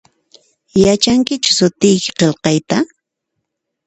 Yachankichu sutiyki qilqayta?